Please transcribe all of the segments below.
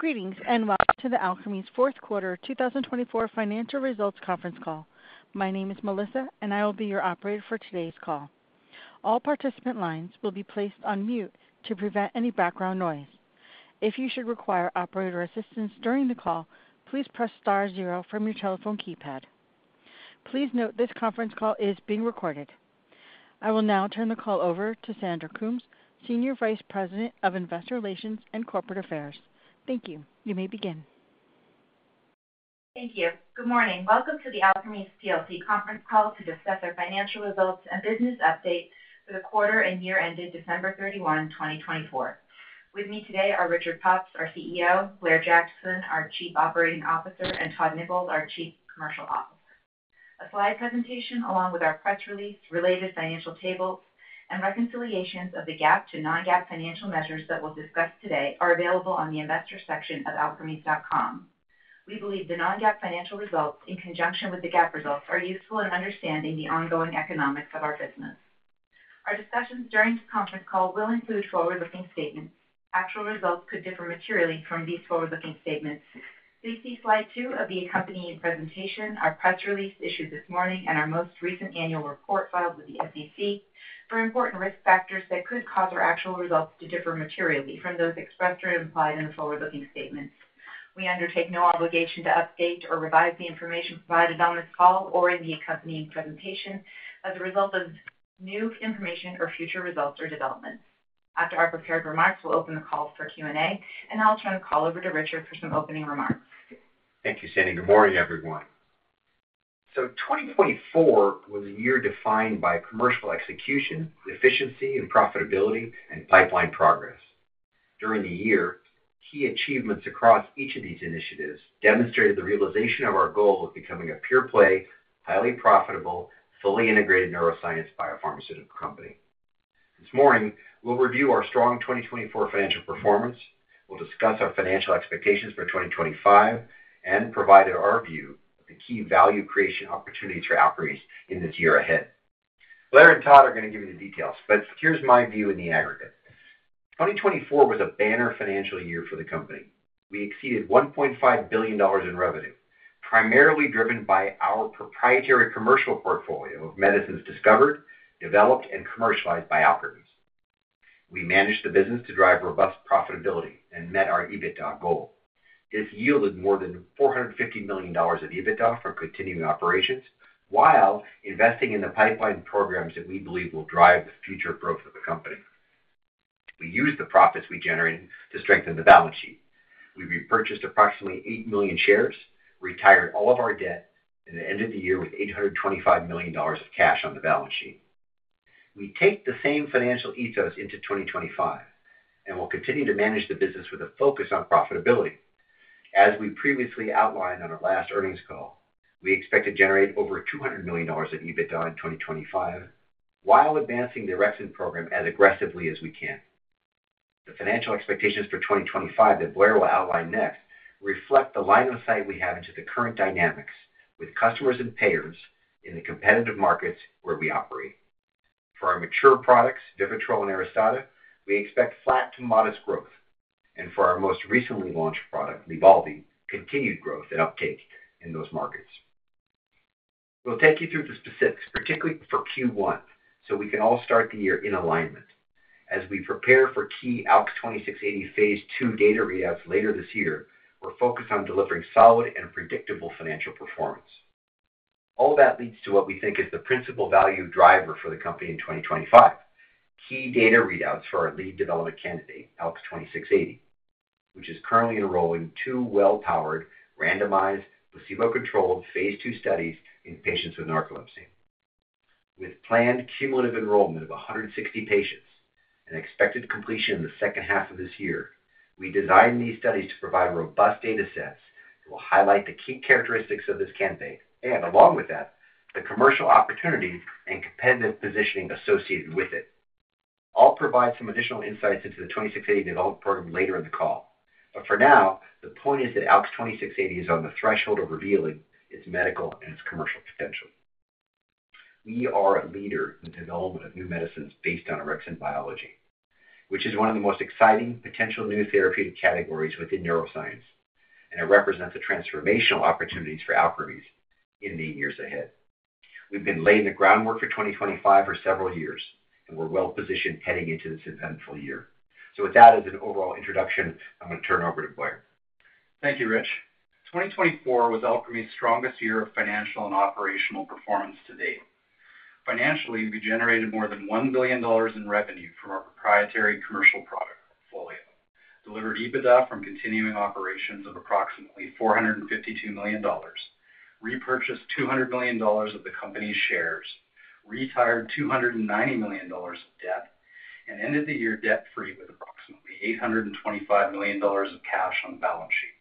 Greetings and welcome to the Alkermes Q4 2024 Financial Results Conference Call. My name is Melissa, and I will be your operator for today's call. All participant lines will be placed on mute to prevent any background noise. If you should require operator assistance during the call, please press star zero from your telephone keypad. Please note this conference call is being recorded. I will now turn the call over to Sandra Coombs, Senior Vice President of Investor Relations and Corporate Affairs. Thank you. You may begin. Thank you. Good morning. Welcome to the Alkermes plc Conference Call to discuss our financial results and business updates for the quarter and year-ending 31 December 2024. With me today are Richard Pops, our CEO, Blair Jackson, our Chief Operating Officer, and Todd Nichols, our Chief Commercial Officer. A slide presentation, along with our press release, related financial tables, and reconciliations of the GAAP to non-GAAP financial measures that we'll discuss today are available on the investor section of alkermes.com. We believe the non-GAAP financial results, in conjunction with the GAAP results, are useful in understanding the ongoing economics of our business. Our discussions during the conference call will include forward-looking statements. Actual results could differ materially from these forward-looking statements. Please see slide two of the accompanying presentation, our press release issued this morning, and our most recent annual report filed with the SEC for important risk factors that could cause our actual results to differ materially from those expressed or implied in the forward-looking statements. We undertake no obligation to update or revise the information provided on this call or in the accompanying presentation as a result of new information or future results or developments. After our prepared remarks, we'll open the call for Q&A, and I'll turn the call over to Richard for some opening remarks. Thank you, Sandy. Good morning, everyone. So 2024 was a year defined by commercial execution, efficiency, profitability, and pipeline progress. During the year, key achievements across each of these initiatives demonstrated the realization of our goal of becoming a pure-play, highly profitable, fully integrated neuroscience biopharmaceutical company. This morning, we'll review our strong 2024 financial performance. We'll discuss our financial expectations for 2025 and provide our view of the key value creation opportunities for Alkermes in this year ahead. Blair and Todd are going to give you the details, but here's my view in the aggregate. 2024 was a banner financial year for the company. We exceeded $1.5 billion in revenue, primarily driven by our proprietary commercial portfolio of medicines discovered, developed, and commercialized by Alkermes. We managed the business to drive robust profitability and met our EBITDA goal. This yielded more than $450 million of EBITDA for continuing operations while investing in the pipeline programs that we believe will drive the future growth of the company. We used the profits we generated to strengthen the balance sheet. We repurchased approximately $8 million shares, retired all of our debt, and ended the year with $825 million of cash on the balance sheet. We take the same financial ethos into 2025 and will continue to manage the business with a focus on profitability. As we previously outlined on our last earnings call, we expect to generate over $200 million of EBITDA in 2025 while advancing the orexin program as aggressively as we can. The financial expectations for 2025 that Blair will outline next reflect the line of sight we have into the current dynamics with customers and payers in the competitive markets where we operate. For our mature products, Vivitrol and Aristada, we expect flat to modest growth, and for our most recently launched product, Lybalvi, continued growth and uptake in those markets. We'll take you through the specifics, particularly for Q1, so we can all start the year in alignment. As we prepare for key ALK2680 Phase II data readouts later this year, we're focused on delivering solid and predictable financial performance. All that leads to what we think is the principal value driver for the company in 2025: key data readouts for our lead development candidate, ALK2680, which is currently enrolling two well-powered, randomized, placebo-controlled Phase II studies in patients with narcolepsy. With planned cumulative enrollment of 160 patients and expected completion in the second half of this year, we designed these studies to provide robust data sets that will highlight the key characteristics of this campaign and, along with that, the commercial opportunity and competitive positioning associated with it. I'll provide some additional insights into the ALK2680 development program later in the call, but for now, the point is that ALK2680 is on the threshold of revealing its medical and its commercial potential. We are a leader in the development of new medicines based on orexin biology, which is one of the most exciting potential new therapeutic categories within neuroscience, and it represents the transformational opportunities for Alkermes in the years ahead. We've been laying the groundwork for 2025 for several years, and we're well-positioned heading into this eventful year. So with that as an overall introduction, I'm going to turn it over to Blair. Thank you, Rich. 2024 was Alkermes' strongest year of financial and operational performance to date. Financially, we generated more than $1 billion in revenue from our proprietary commercial product portfolio, delivered EBITDA from continuing operations of approximately $452 million, repurchased $200 million of the company's shares, retired $290 million of debt, and ended the year debt-free with approximately $825 million of cash on the balance sheet.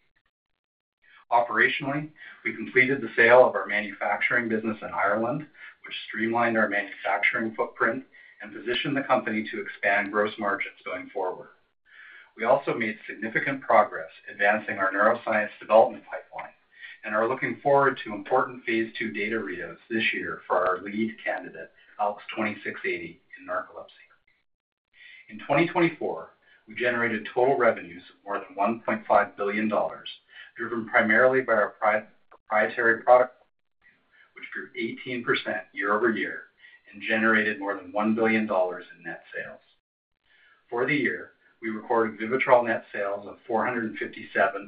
Operationally, we completed the sale of our manufacturing business in Ireland, which streamlined our manufacturing footprint and positioned the company to expand gross margins going forward. We also made significant progress advancing our neuroscience development pipeline and are looking forward to important Phase II data readouts this year for our lead candidate, ALK2680, in narcolepsy. In 2024, we generated total revenues of more than $1.5 billion, driven primarily by our proprietary product portfolio, which grew 18% year-over-year and generated more than $1 billion in net sales. For the year, we recorded Vivitrol net sales of $457.3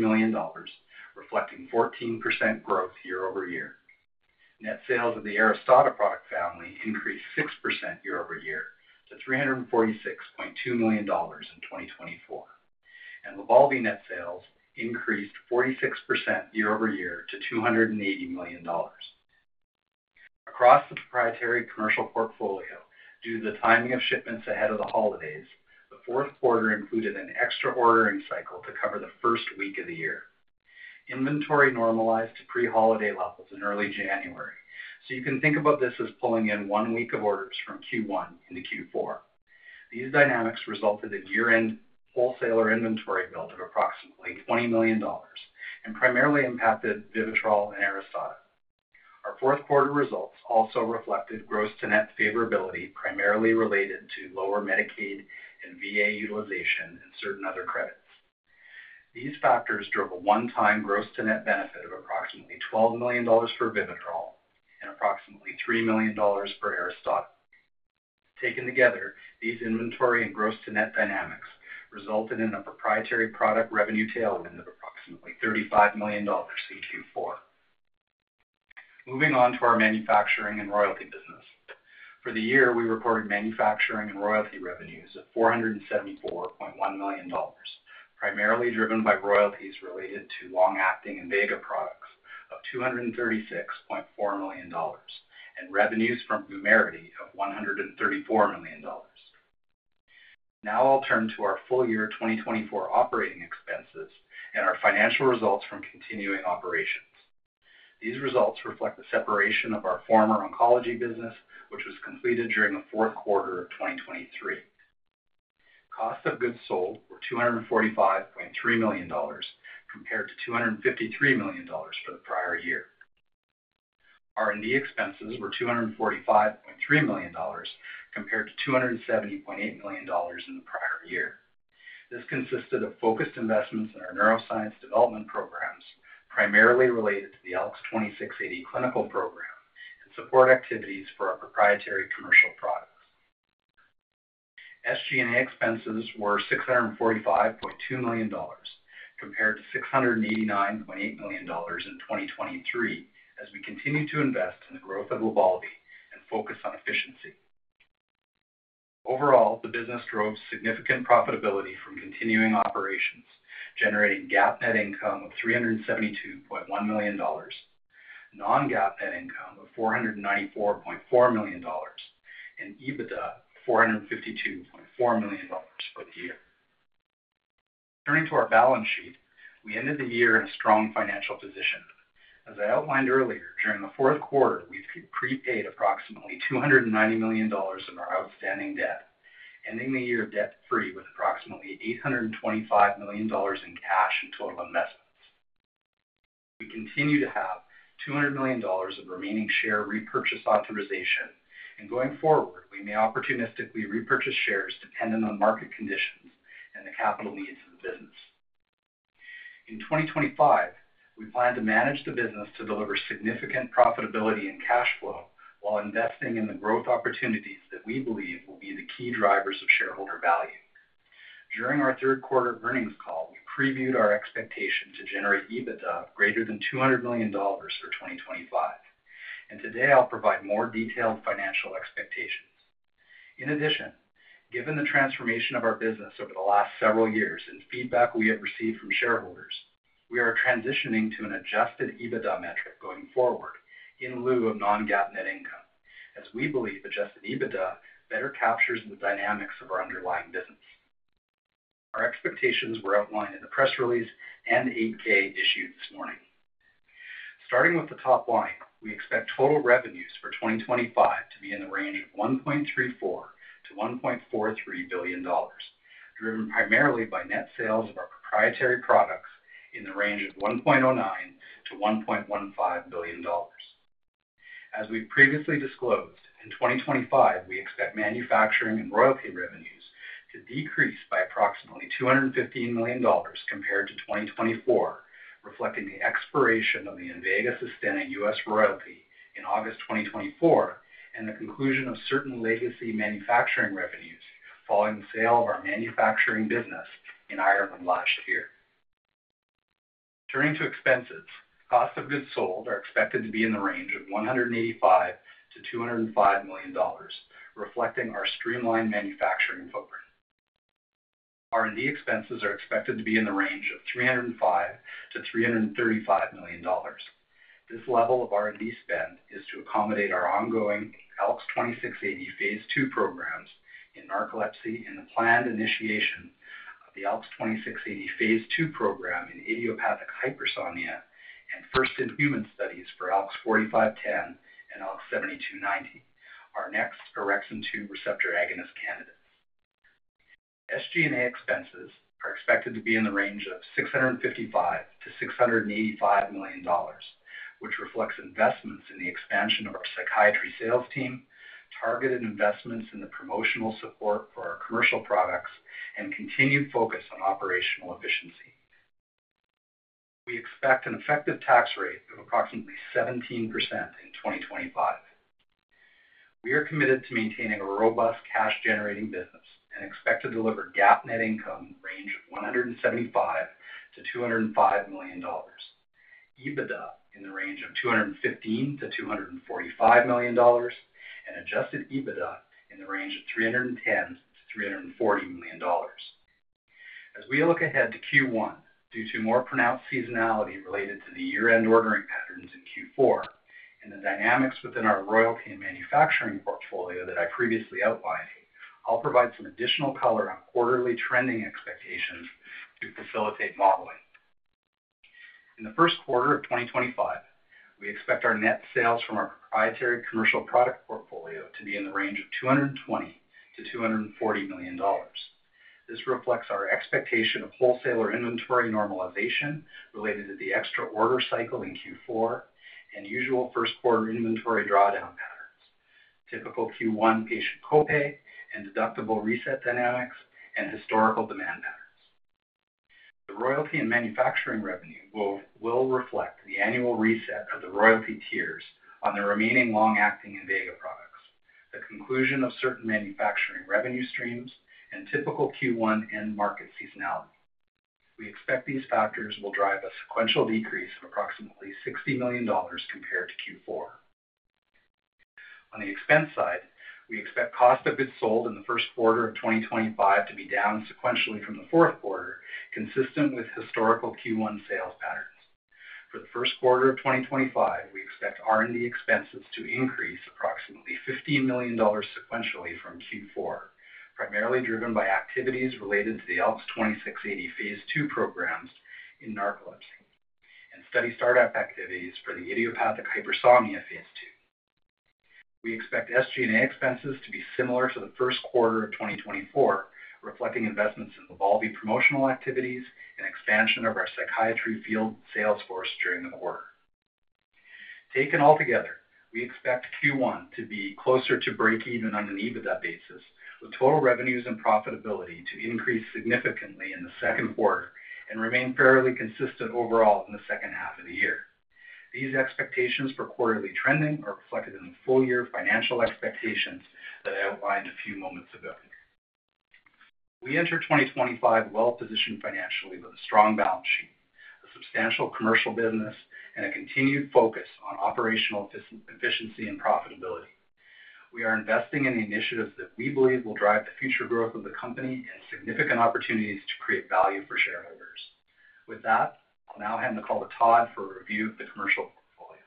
million, reflecting 14% growth year-over-year. Net sales of the Aristada product family increased 6% year-over-year to $346.2 million in 2024, and Lybalvi net sales increased 46% year-over-year to $280 million. Across the proprietary commercial portfolio, due to the timing of shipments ahead of the holidays, the Q4 included an extra ordering cycle to cover the first week of the year. Inventory normalized to pre-holiday levels in early January, so you can think about this as pulling in one week of orders from Q1 into Q4. These dynamics resulted in year-end wholesaler inventory build of approximately $20 million and primarily impacted Vivitrol and Aristada. Our Q4 results also reflected gross-to-net favorability primarily related to lower Medicaid and VA utilization and certain other credits. These factors drove a one-time gross-to-net benefit of approximately $12 million for Vivitrol and approximately $3 million for Aristada. Taken together, these inventory and gross-to-net dynamics resulted in a proprietary product revenue tailwind of approximately $35 million in Q4. Moving on to our manufacturing and royalty business. For the year, we reported manufacturing and royalty revenues of $474.1 million, primarily driven by royalties related to long-acting Invega products of $236.4 million, and revenues from Vumerity of $134 million. Now I'll turn to our full year 2024 operating expenses and our financial results from continuing operations. These results reflect the separation of our former oncology business, which was completed during the Q4 of 2023. Cost of goods sold were $245.3 million compared to $253 million for the prior year. R&D expenses were $245.3 million compared to $270.8 million in the prior year. This consisted of focused investments in our neuroscience development programs, primarily related to the ALK2680 clinical program, and support activities for our proprietary commercial products. SG&A expenses were $645.2 million compared to $689.8 million in the prior year as we continued to invest in the growth of Lybalvi and focus on efficiency. Overall, the business drove significant profitability from continuing operations, generating GAAP net income of $372.1 million, non-GAAP net income of $494.4 million, and EBITDA of $452.4 million for the year. Turning to our balance sheet, we ended the year in a strong financial position. As I outlined earlier, during the Q4, we prepaid approximately $290 million of our outstanding debt, ending the year debt-free with approximately $825 million in cash and total investments. We continue to have $200 million of remaining share repurchase authorization, and going forward, we may opportunistically repurchase shares depending on market conditions and the capital needs of the business. In 2025, we plan to manage the business to deliver significant profitability and cash flow while investing in the growth opportunities that we believe will be the key drivers of shareholder value. During our Q3 earnings call, we previewed our expectation to generate EBITDA greater than $200 million for 2025, and today I'll provide more detailed financial expectations. In addition, given the transformation of our business over the last several years and feedback we have received from shareholders, we are transitioning to an Adjusted EBITDA metric going forward in lieu of non-GAAP net income, as we believe Adjusted EBITDA better captures the dynamics of our underlying business. Our expectations were outlined in the press release and the 8-K issued this morning. Starting with the top line, we expect total revenues for 2025 to be in the range of $1.34 to 1.43 billion, driven primarily by net sales of our proprietary products in the range of $1.09 to 1.15 billion. As we previously disclosed, in 2025, we expect manufacturing and royalty revenues to decrease by approximately $215 million compared to 2024, reflecting the expiration of the Invega Sustenna U.S. royalty in August 2024 and the conclusion of certain legacy manufacturing revenues following the sale of our manufacturing business in Ireland last year. Turning to expenses, cost of goods sold are expected to be in the range of $185 to 205 million, reflecting our streamlined manufacturing footprint. R&D expenses are expected to be in the range of $305 to 335 million. This level of R&D spend is to accommodate our ongoing ALK2680 Phase II programs in narcolepsy and the planned initiation of the ALK2680 Phase II program in idiopathic hypersomnia and first-in-human studies for ALK4510 and ALK7290, our next OX2 receptor agonist candidates. SG&A expenses are expected to be in the range of $655 to 685 million, which reflects investments in the expansion of our psychiatry sales team, targeted investments in the promotional support for our commercial products, and continued focus on operational efficiency. We expect an effective tax rate of approximately 17% in 2025. We are committed to maintaining a robust cash-generating business and expect to deliver GAAP net income in the range of $175 to 205 million, EBITDA in the range of $215 to 245 million, and adjusted EBITDA in the range of $310 to 340 million. As we look ahead to Q1, due to more pronounced seasonality related to the year-end ordering patterns in Q4 and the dynamics within our royalty and manufacturing portfolio that I previously outlined, I'll provide some additional color on quarterly trending expectations to facilitate modeling. In the Q1 of 2025, we expect our net sales from our proprietary commercial product portfolio to be in the range of $220 to 240 million. This reflects our expectation of wholesaler inventory normalization related to the extra order cycle in Q4 and usual Q1 inventory drawdown patterns, typical Q1 patient copay and deductible reset dynamics, and historical demand patterns. The royalty and manufacturing revenue will reflect the annual reset of the royalty tiers on the remaining long-acting Invega products, the conclusion of certain manufacturing revenue streams, and typical Q1 end market seasonality. We expect these factors will drive a sequential decrease of approximately $60 million compared to Q4. On the expense side, we expect cost of goods sold in the Q1 of 2025 to be down sequentially from the Q4, consistent with historical Q1 sales patterns. For the Q1 of 2025, we expect R&D expenses to increase approximately $15 million sequentially from Q4, primarily driven by activities related to the ALK2680 Phase II programs in narcolepsy and study startup activities for the idiopathic hypersomnia Phase II. We expect SG&A expenses to be similar to the Q1 of 2024, reflecting investments in Lybalvi promotional activities and expansion of our psychiatry field sales force during the quarter. Taken all together, we expect Q1 to be closer to break-even on an EBITDA basis, with total revenues and profitability to increase significantly in the Q2 and remain fairly consistent overall in the second half of the year. These expectations for quarterly trending are reflected in the full year financial expectations that I outlined a few moments ago. We enter 2025 well-positioned financially with a strong balance sheet, a substantial commercial business, and a continued focus on operational efficiency and profitability. We are investing in the initiatives that we believe will drive the future growth of the company and significant opportunities to create value for shareholders. With that, I'll now hand the call to Todd for a review of the commercial portfolio.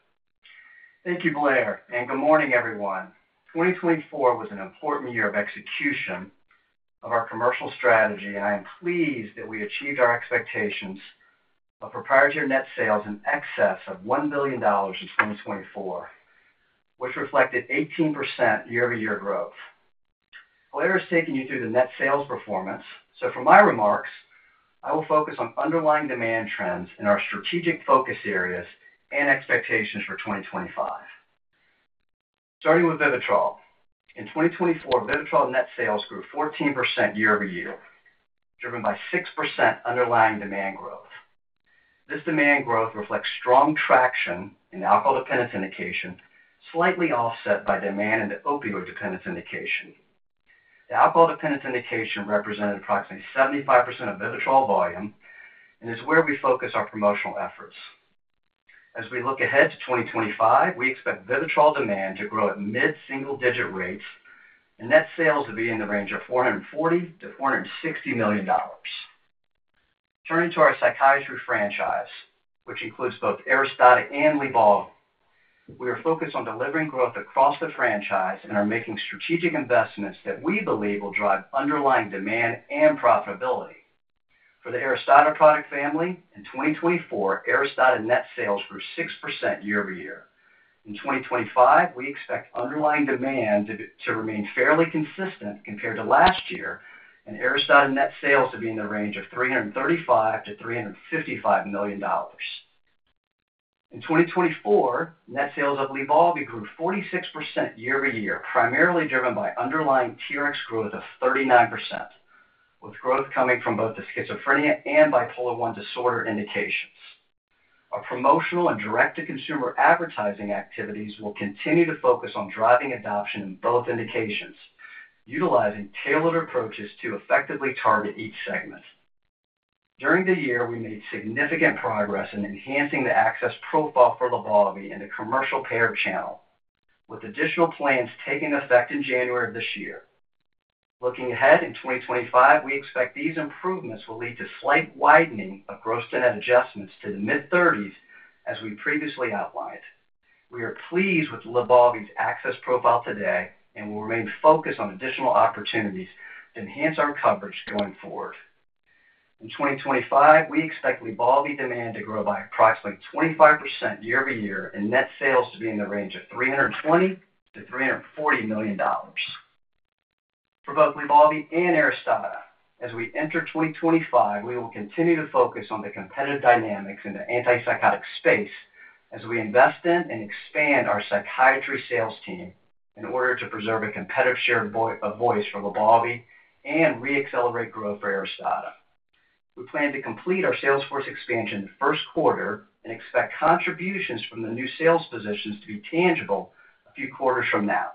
Thank you, Blair, and good morning, everyone. 2024 was an important year of execution of our commercial strategy, and I am pleased that we achieved our expectations of proprietary net sales in excess of $1 billion in 2024, which reflected 18% year-over-year growth. Blair has taken you through the net sales performance, so for my remarks, I will focus on underlying demand trends in our strategic focus areas and expectations for 2025. Starting with Vivitrol, in 2024, Vivitrol net sales grew 14% year-over-year, driven by 6% underlying demand growth. This demand growth reflects strong traction in alcohol-dependent indication, slightly offset by demand in the opioid-dependent indication. The alcohol-dependent indication represented approximately 75% of Vivitrol volume and is where we focus our promotional efforts. As we look ahead to 2025, we expect Vivitrol demand to grow at mid-single-digit rates and net sales to be in the range of $440 to 460 million. Turning to our psychiatry franchise, which includes both Aristada and Lybalvi, we are focused on delivering growth across the franchise and are making strategic investments that we believe will drive underlying demand and profitability. For the Aristada product family, in 2024, Aristada net sales grew 6% year-over-year. In 2025, we expect underlying demand to remain fairly consistent compared to last year and Aristada net sales to be in the range of $335 to 355 million. In 2024, net sales of Lybalvi grew 46% year-over-year, primarily driven by underlying TRx growth of 39%, with growth coming from both the schizophrenia and bipolar I disorder indications. Our promotional and direct-to-consumer advertising activities will continue to focus on driving adoption in both indications, utilizing tailored approaches to effectively target each segment. During the year, we made significant progress in enhancing the access profile for Lybalvi in the commercial payer channel, with additional plans taking effect in January of this year. Looking ahead in 2025, we expect these improvements will lead to slight widening of gross-to-net adjustments to the mid-30s, as we previously outlined. We are pleased with Lybalvi's access profile today and will remain focused on additional opportunities to enhance our coverage going forward. In 2025, we expect Lybalvi demand to grow by approximately 25% year-over-year and net sales to be in the range of $320 to 340 million. For both Lybalvi and Aristada, as we enter 2025, we will continue to focus on the competitive dynamics in the antipsychotic space as we invest in and expand our psychiatry sales team in order to preserve a competitive share of voice for Lybalvi and re-accelerate growth for Aristada. We plan to complete our sales force expansion in the Q1 and expect contributions from the new sales positions to be tangible a few quarters from now.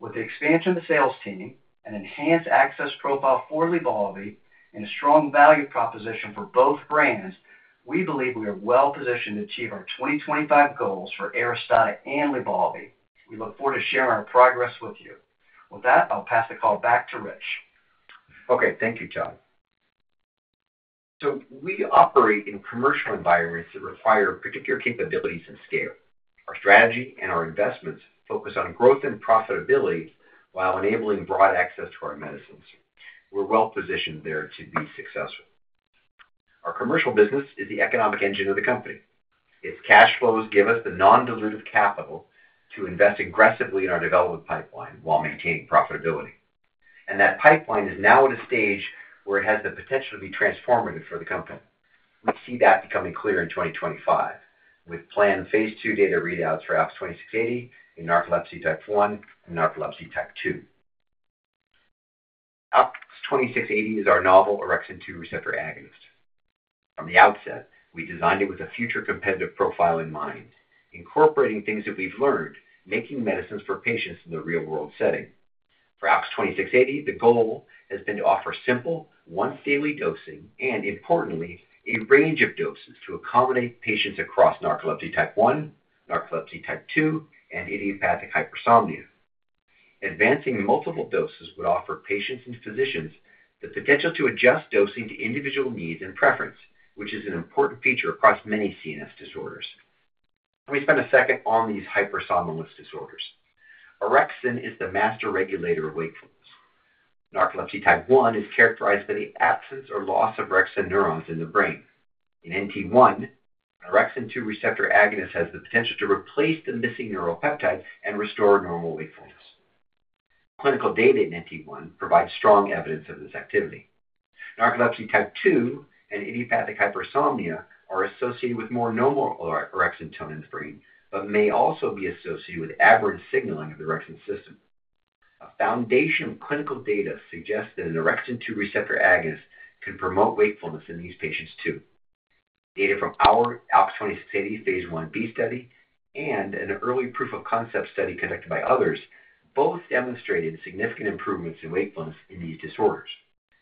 With the expansion of the sales team and enhanced access profile for Lybalvi and a strong value proposition for both brands, we believe we are well-positioned to achieve our 2025 goals for Aristada and Lybalvi. We look forward to sharing our progress with you. With that, I'll pass the call back to Rich. Okay, thank you, Todd. We operate in commercial environments that require particular capabilities and scale. Our strategy and our investments focus on growth and profitability while enabling broad access to our medicines. We're well-positioned there to be successful. Our commercial business is the economic engine of the company. Its cash flows give us the non-dilutive capital to invest aggressively in our development pipeline while maintaining profitability. That pipeline is now at a stage where it has the potential to be transformative for the company. We see that becoming clear in 2025 with planned Phase II data readouts for ALK2680 NT1 and NT2. ALK2680 is our novel OX2 receptor agonist. From the outset, we designed it with a future competitive profile in mind, incorporating things that we've learned, making medicines for patients in the real-world setting. For ALK2680, the goal has been to offer simple, once-daily dosing and, importantly, a range of doses to accommodate patients across NT1, NT2, and idiopathic hypersomnia. Advancing multiple doses would offer patients and physicians the potential to adjust dosing to individual needs and preference, which is an important feature across many CNS disorders. Let me spend a second on these hypersomnolence disorders. Orexin is the master regulator of wakefulness. NT1 is characterized by the absence or loss of orexin neurons in the brain. In NT1, an OX2 receptor agonist has the potential to replace the missing neuropeptide and restore normal wakefulness. Clinical data in NT1 provides strong evidence of this activity NT2 and idiopathic hypersomnia are associated with more normal orexin tone in the brain, but may also be associated with aberrant signaling of the orexin system. A foundation of clinical data suggests that an OX2 receptor agonist can promote wakefulness in these patients too. Data from our ALK2680 Phase Ib study and an early proof-of-concept study conducted by others both demonstrated significant improvements in wakefulness in these disorders.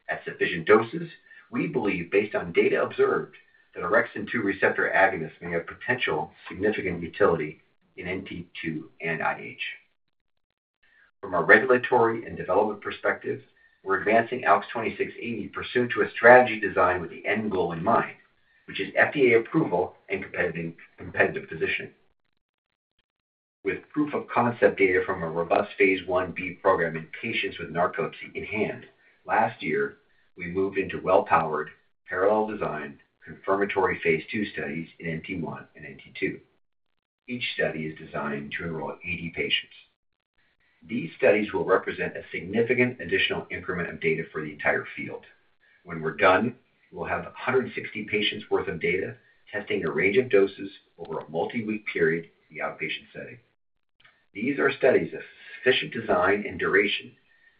At sufficient doses, we believe, based on data observed, that OX2 receptor agonists may have potential significant utility in NT2 and IH. From a regulatory and development perspective, we're advancing ALK2680 pursuant to a strategy designed with the end goal in mind, which is FDA approval and competitive positioning. With proof-of-concept data from a robust Phase Ib program in patients with narcolepsy in hand, last year, we moved into well-powered, parallel design, confirmatory Phase II studies in NT1 and NT2. Each study is designed to enroll 80 patients. These studies will represent a significant additional increment of data for the entire field. When we're done, we'll have 160 patients' worth of data testing a range of doses over a multi-week period in the outpatient setting. These are studies of sufficient design and duration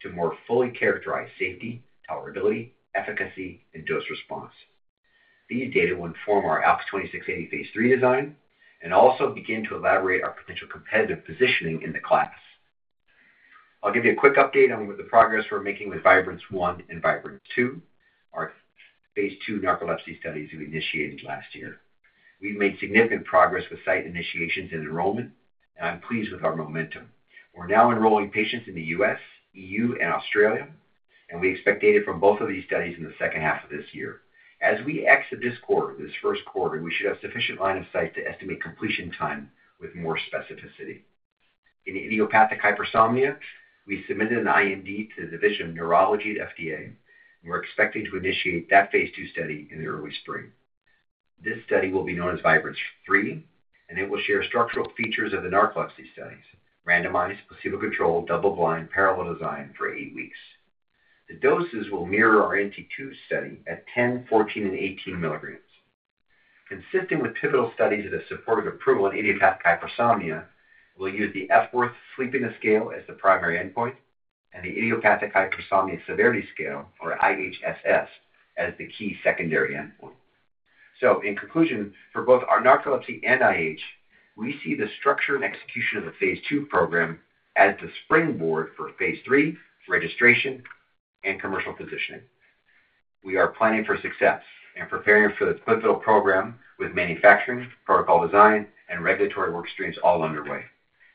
to more fully characterize safety, tolerability, efficacy, and dose response. These data will inform our ALK2680 Phase III design and also begin to elaborate our potential competitive positioning in the class. I'll give you a quick update on the progress we're making with Vibrant 1 and Vibrant 2, our Phase 2 narcolepsy studies we initiated last year. We've made significant progress with site initiations and enrollment, and I'm pleased with our momentum. We're now enrolling patients in the US, EU, and Australia, and we expect data from both of these studies in the second half of this year. As we exit this quarter, this Q1, we should have sufficient line of sight to estimate completion time with more specificity. In idiopathic hypersomnia, we submitted an IND to the Division of Neurology at FDA, and we're expecting to initiate that Phase II study in the early spring. This study will be known as Vibrant 3, and it will share structural features of the narcolepsy studies, randomized, placebo-controlled, double-blind, parallel design for eight weeks. The doses will mirror our NT2 study at 10, 14, and 18 milligrams. Consistent with pivotal studies that have supported approval in idiopathic hypersomnia, we'll use the Epworth Sleepiness Scale as the primary endpoint and the Idiopathic Hypersomnia Severity Scale, or IHSS, as the key secondary endpoint. In conclusion, for both our narcolepsy and IH, we see the structure and execution of the Phase II program as the springboard for Phase III, registration, and commercial positioning. We are planning for success and preparing for the pivotal program with manufacturing, protocol design, and regulatory workstreams all underway.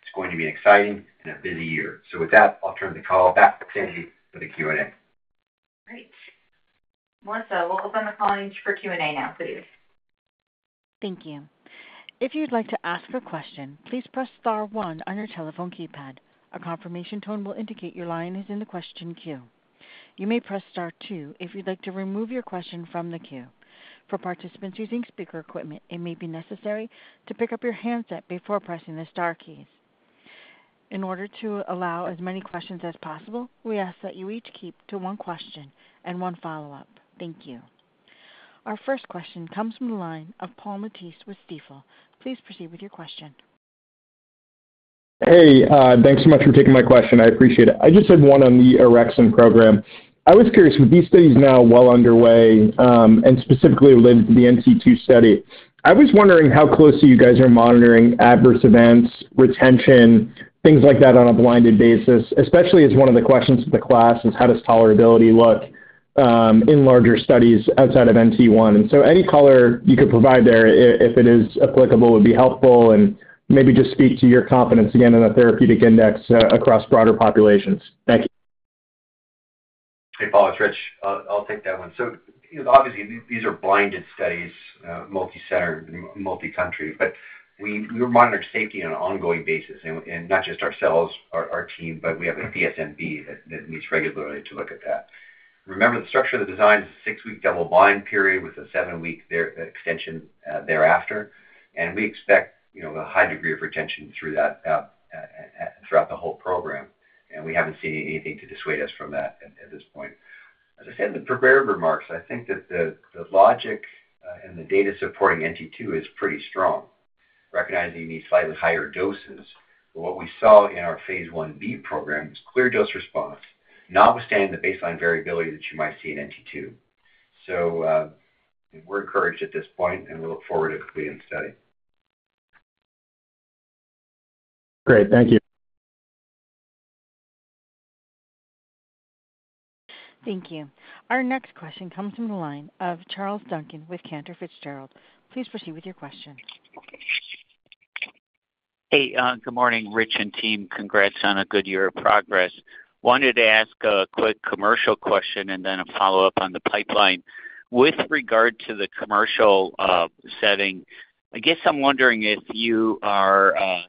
It's going to be an exciting and a busy year. With that, I'll turn the call back to Sandy for the Q&A. Great. Melissa, we'll open the call for Q&A now, please. Thank you. If you'd like to ask a question, please press star one on your telephone keypad. A confirmation tone will indicate your line is in the question queue. You may press star two if you'd like to remove your question from the queue. For participants using speaker equipment, it may be necessary to pick up your handset before pressing the star keys. In order to allow as many questions as possible, we ask that you each keep to one question and one follow-up. Thank you. Our first question comes from the line of Paul Matteis with Stifel. Please proceed with your question. Hey, thanks so much for taking my question. I appreciate it. I just had one on the orexin program. I was curious, with these studies now well underway and specifically related to the NT2 study, I was wondering how close you guys are monitoring adverse events, retention, things like that on a blinded basis, especially as one of the questions of the class is, how does tolerability look in larger studies outside of NT1? And so, any color you could provide there, if it is applicable, would be helpful, and maybe just speak to your confidence again in the therapeutic index across broader populations. Thank you. Hey, Paul, it's Rich. I'll take that one. So, obviously, these are blinded studies, multi-centered, multi-country, but we monitor safety on an ongoing basis, and not just ourselves, our team, but we have a DSMB that meets regularly to look at that. Remember, the structure of the design is a six-week double-blind period with a seven-week extension thereafter, and we expect a high degree of retention throughout the whole program, and we haven't seen anything to dissuade us from that at this point. As I said in the prepared remarks, I think that the logic and the data supporting NT2 is pretty strong, recognizing the slightly higher doses. But what we saw in our Phase Ib program is clear dose response, notwithstanding the baseline variability that you might see in NT2. So, we're encouraged at this point, and we look forward to completing the study. Great, thank you. Thank you. Our next question comes from the line of Charles Duncan with Cantor Fitzgerald. Please proceed with your question. Hey, good morning, Rich and team. Congrats on a good year of progress. Wanted to ask a quick commercial question and then a follow-up on the pipeline. With regard to the commercial setting, I guess I'm wondering if you are—not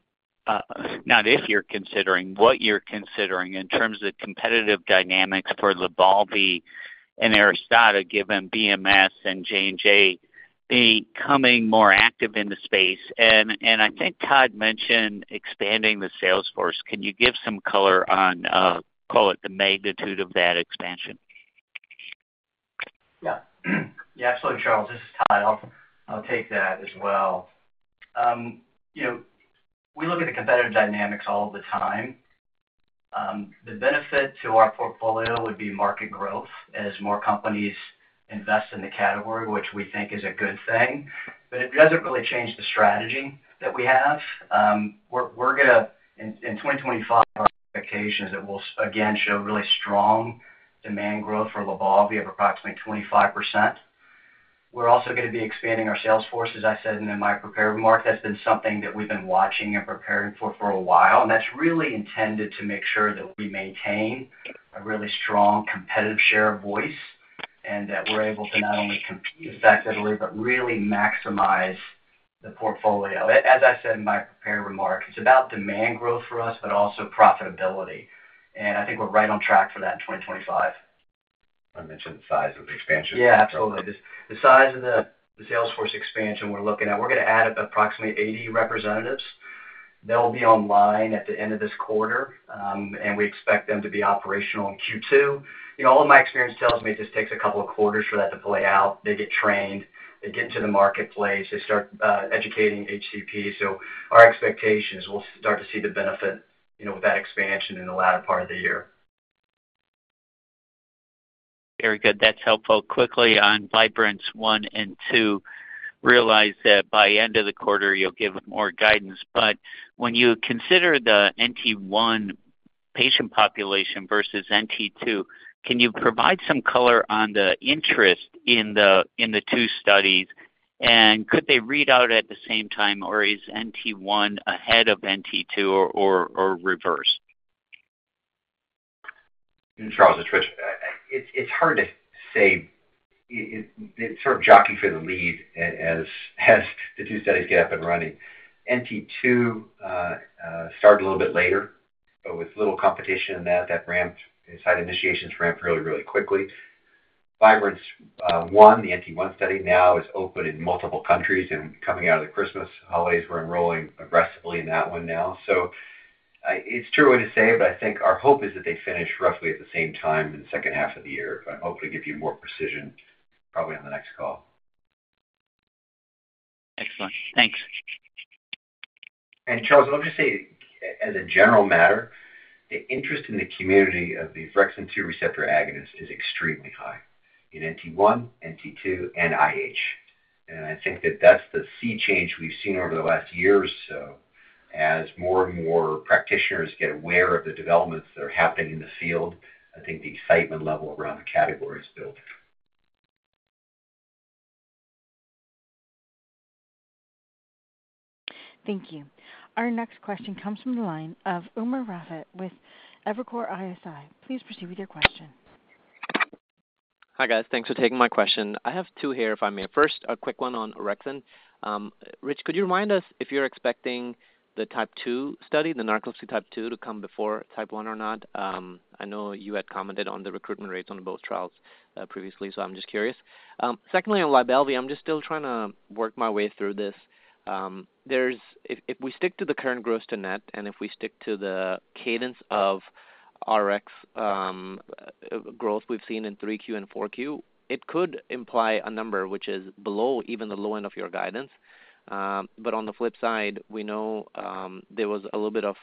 if you're considering—what you're considering in terms of competitive dynamics for Lybalvi and Aristada, given BMS and J&J becoming more active in the space. And I think Todd mentioned expanding the sales force. Can you give some color on, call it, the magnitude of that expansion? Yeah. Yeah, absolutely, Charles. This is Todd. I'll take that as well. We look at the competitive dynamics all the time. The benefit to our portfolio would be market growth as more companies invest in the category, which we think is a good thing. But it doesn't really change the strategy that we have. We're going to, in 2025, our expectation is that we'll, again, show really strong demand growth for Lybalvi of approximately 25%. We're also going to be expanding our sales force, as I said in my prepared remark. That's been something that we've been watching and preparing for a while, and that's really intended to make sure that we maintain a really strong competitive share of voice and that we're able to not only compete effectively but really maximize the portfolio. As I said in my prepared remark, it's about demand growth for us, but also profitability. And I think we're right on track for that in 2025. I mentioned the size of the expansion. Yeah, absolutely. The size of the sales force expansion we're looking at, we're going to add approximately 80 representatives. They'll be online at the end of this quarter, and we expect them to be operational in Q2. All of my experience tells me it just takes a couple of quarters for that to play out. They get trained. They get into the marketplace. They start educating HCP. So our expectation is we'll start to see the benefit with that expansion in the latter part of the year. Very good. That's helpful. Quickly on Vibrant 1 and 2, realize that by the end of the quarter, you'll give more guidance. But when you consider the NT1 patient population versus NT2, can you provide some color on the interest in the two studies? And could they read out at the same time, or is NT1 ahead of NT2 or reverse? Charles, it's hard to say. It's sort of jockey for the lead as the two studies get up and running. NT2 started a little bit later, but with little competition in that, that site initiations ramped really, really quickly. Vibrant 1, the NT1 study, now is open in multiple countries and coming out of the Christmas holidays. We're enrolling aggressively in that one now. So it's too early to say, but I think our hope is that they finish roughly at the same time in the second half of the year. I'm hoping to give you more precision probably on the next call. Excellent. Thanks. And Charles, let me just say, as a general matter, the interest in the community of these OX2R agonists is extremely high in NT1, NT2, and IH. And I think that that's the sea change we've seen over the last year or so. As more and more practitioners get aware of the developments that are happening in the field, I think the excitement level around the category is building. Thank you. Our next question comes from the line of Umer Raffat with Evercore ISI. Please proceed with your question. Hi guys. Thanks for taking my question. I have two here, if I may. First, a quick one on orexin. Rich, could you remind us if you're expecting the type two study, the NT2, to come before type one or not? I know you had commented on the recruitment rates on both trials previously, so I'm just curious. Secondly, on Lybalvi, I'm just still trying to work my way through this. If we stick to the current gross-to-net and if we stick to the cadence of Rx growth we've seen in Q3 and Q4, it could imply a number which is below even the low end of your guidance. But on the flip side, we know there was a little bit of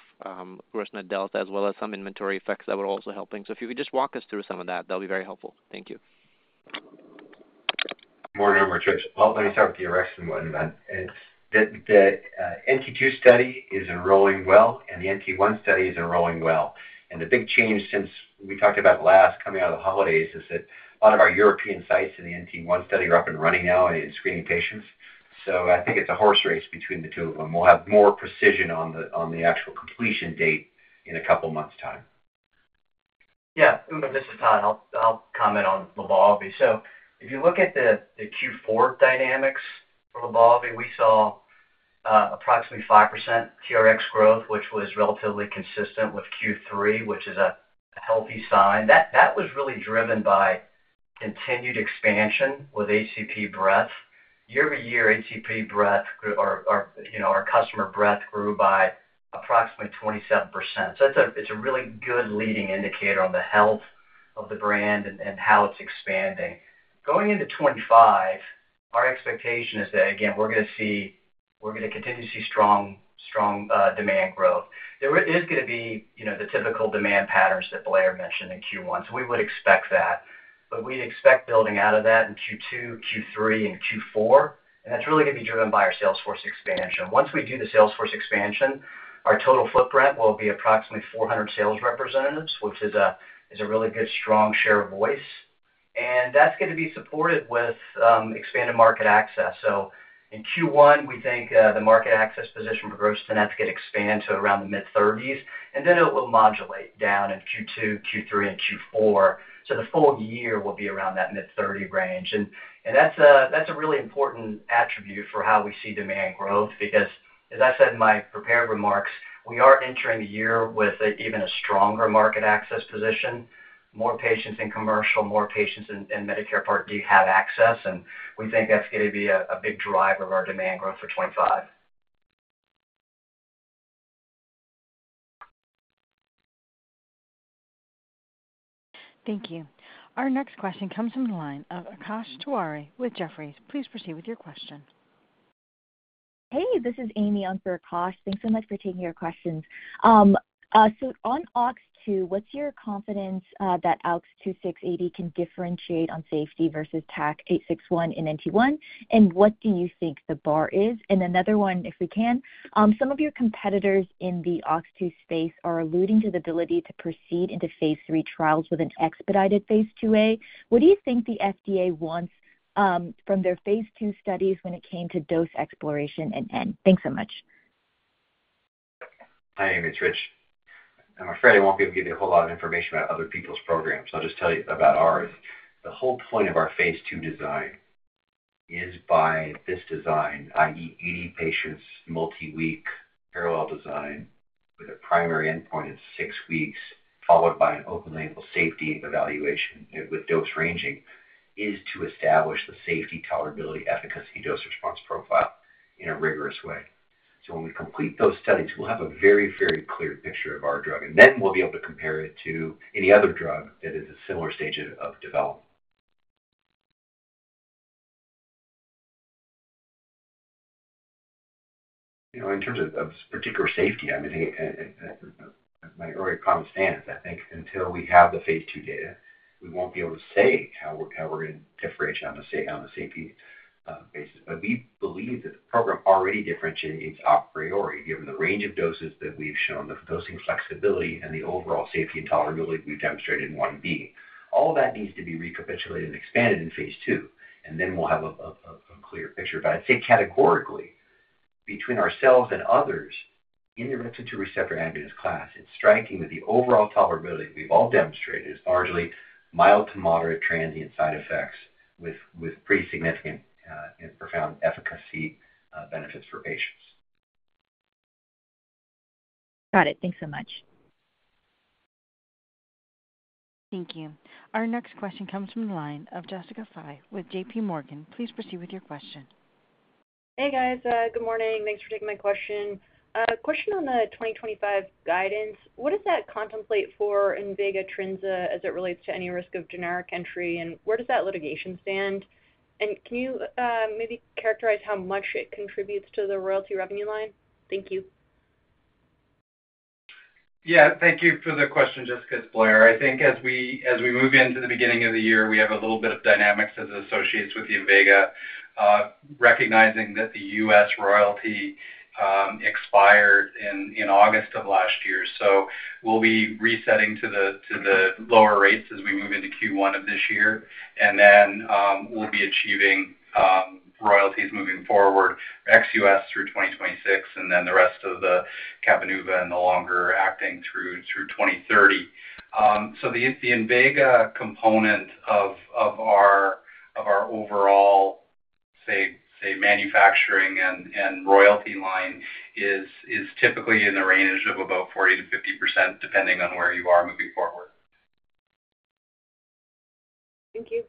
gross-to-net delta as well as some inventory effects that were also helping. So if you could just walk us through some of that, that'll be very helpful. Thank you. More numbers, Rich. Well, let me start with the. The NT2 study is enrolling well, and the NT1 study is enrolling well. And the big change since we talked about last, coming out of the holidays, is that a lot of our European sites in the NT1 study are up and running now and screening patients. So I think it's a horse race between the two of them. We'll have more precision on the actual completion date in a couple of months' time. Yeah. This is Todd. I'll comment on Lybalvi. So if you look at the Q4 dynamics for Lybalvi, we saw approximately 5% TRX growth, which was relatively consistent with Q3, which is a healthy sign. That was really driven by continued expansion with HCP breadth. year-over-year, HCP breadth, our customer breadth, grew by approximately 27%. So it's a really good leading indicator on the health of the brand and how it's expanding. Going into 2025, our expectation is that, again, we're going to continue to see strong demand growth. There is going to be the typical demand patterns that Blair mentioned in Q1, so we would expect that. But we'd expect building out of that in Q2, Q3, and Q4, and that's really going to be driven by our sales force expansion. Once we do the sales force expansion, our total footprint will be approximately 400 sales representatives, which is a really good, strong share of voice. And that's going to be supported with expanded market access. So in Q1, we think the market access position for gross to net's going to expand to around the mid-30s, and then it will modulate down in Q2, Q3, and Q4. So the full year will be around that mid-30 range. And that's a really important attribute for how we see demand growth because, as I said in my prepared remarks, we are entering a year with even a stronger market access position. More patients in commercial, more patients in Medicare Part D have access, and we think that's going to be a big driver of our demand growth for 2025. Thank you. Our next question comes from the line of Akash Tewari with Jefferies. Please proceed with your question. Hey, this is Amy on for Akash. Thanks so much for taking your questions. So on OX2R, what's your confidence that ALK2680 can differentiate on safety versus TAK-861 in NT1, and what do you think the bar is? And another one, if we can, some of your competitors in the OX2R space are alluding to the ability to proceed into Phase III trials with an expedited Phase IIa. What do you think the FDA wants from their Phase II studies when it came to dose exploration and end? Thanks so much. Hi, Amy. It's Rich. I'm afraid I won't be able to give you a whole lot of information about other people's programs. I'll just tell you about ours. The whole point of our Phase II design is by this design, i.e., 80 patients, multi-week parallel design with a primary endpoint in six weeks, followed by an open-label safety evaluation with dose ranging, is to establish the safety, tolerability, efficacy, dose response profile in a rigorous way. So when we complete those studies, we'll have a very, very clear picture of our drug, and then we'll be able to compare it to any other drug that is at a similar stage of development. In terms of particular safety, my earlier comments stand. I think until we have the Phase II data, we won't be able to say how we're going to differentiate on the safety basis. But we believe that the program already differentiates a priori, given the range of doses that we've shown, the dosing flexibility, and the overall safety and tolerability we've demonstrated in Ib. All of that needs to be recapitulated and expanded in Phase II, and then we'll have a clear picture. But I'd say categorically, between ourselves and others in the OX2R agonist class, it's striking that the overall tolerability we've all demonstrated is largely mild to moderate transient side effects with pretty significant and profound efficacy benefits for patients. Got it. Thanks so much. Thank you. Our next question comes from the line of Jessica Fye with J.P. Morgan. Please proceed with your question. Hey, guys. Good morning. Thanks for taking my question. Question on the 2025 guidance. What does that contemplate for Invega Trinza as it relates to any risk of generic entry, and where does that litigation stand, and can you maybe characterize how much it contributes to the royalty revenue line? Thank you. Yeah. Thank you for the question, Jessica Fye. I think as we move into the beginning of the year, we have a little bit of dynamics as it associates with Invega, recognizing that the US royalty expired in August of last year. So we'll be resetting to the lower rates as we move into Q1 of this year, and then we'll be achieving royalties moving forward, ex-US through 2026, and then the rest of the Cabenuva and the longer acting through 2030. So the Invega component of our overall, say, manufacturing and royalty line is typically in the range of about 40% to 50%, depending on where you are moving forward. Thank you.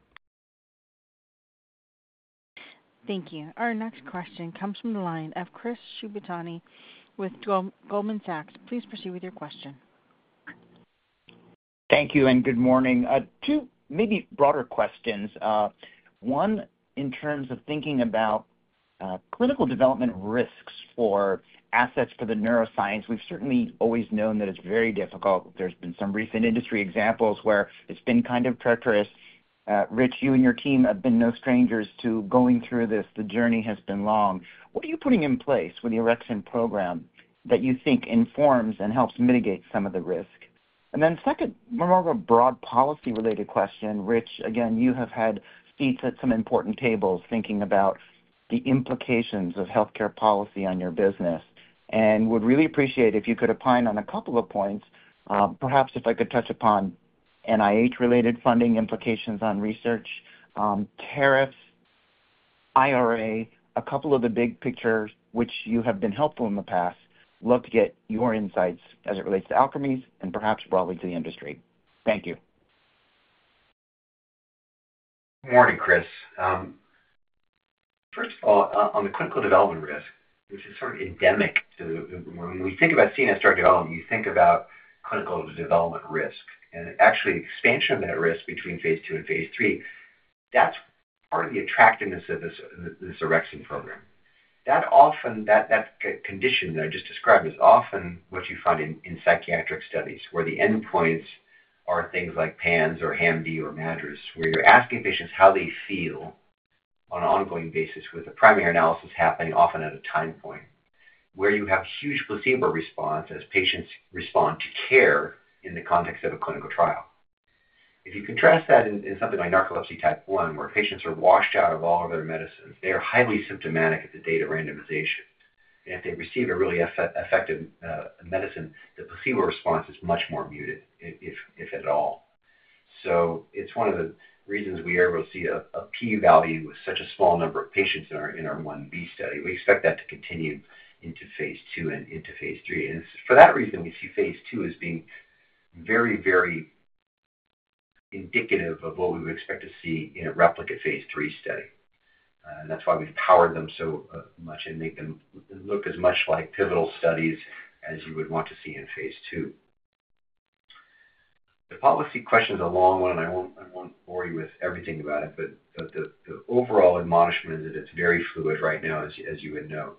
Thank you. Our next question comes from the line of Chris Shibutani with Goldman Sachs. Please proceed with your question. Thank you and good morning. Two maybe broader questions. One, in terms of thinking about clinical development risks for assets for the neuroscience, we've certainly always known that it's very difficult. There's been some recent industry examples where it's been kind of treacherous. Rich, you and your team have been no strangers to going through this. The journey has been long. What are you putting in place with the orexin program that you think informs and helps mitigate some of the risk? And then second, more of a broad policy-related question, Rich. Again, you have had seats at some important tables thinking about the implications of healthcare policy on your business, and would really appreciate if you could opine on a couple of points. Perhaps if I could touch upon NIH-related funding implications on research, tariffs, IRA, a couple of the big pictures, which you have been helpful in the past. Love to get your insights as it relates to Alkermes and perhaps broadly to the industry. Thank you. Good morning, Chris. First of all, on the clinical development risk, which is sort of endemic to when we think about CNS drug development, you think about clinical development risk. And actually, expansion of that risk between Phase II and Phase III, that's part of the attractiveness of this orexin program. That condition that I just described is often what you find in psychiatric studies where the endpoints are things like PANSS or HAM-D or MADRS, where you're asking patients how they feel on an ongoing basis with a primary analysis happening often at a time point where you have huge placebo response as patients respond to care in the context of a clinical trial. If you contrast that in something like NT1, where patients are washed out of all of their medicines, they are highly symptomatic at the date of randomization. And if they receive a really effective medicine, the placebo response is much more muted, if at all. So it's one of the reasons we are able to see a p-value with such a small number of patients in our Phase Ib study. We expect that to continue into Phase II and into Phase III. And for that reason, we see Phase II as being very, very indicative of what we would expect to see in a replicate Phase III study. And that's why we've powered them so much and make them look as much like pivotal studies as you would want to see in Phase II. The policy question is a long one, and I won't bore you with everything about it, but the overall admonishment is that it's very fluid right now, as you would know.